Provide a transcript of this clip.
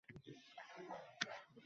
Quyoshda kuchli chaqnash sodir bo‘lding